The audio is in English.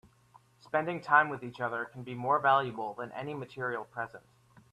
Spending time with each other can be more valuable than any material present.